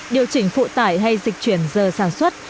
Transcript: điều chỉnh phụ tải hay dịch chuyển giờ sản xuất